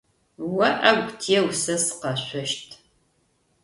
О ӏэгу теу, сэ сыкъэшъощт.